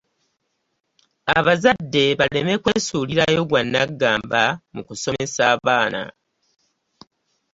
Abazadde baleme kwesuulirayo gwa nnagambna mu kusomesa abaana.